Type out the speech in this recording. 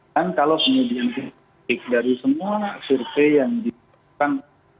dan kalau semudian dari semua survei yang diperlukan